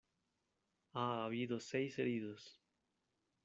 Ha habido seis heridos.